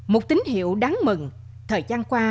một tín hiệu đáng mừng thời gian qua